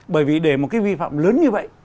bởi vì để một cái vi phạm lớn như vậy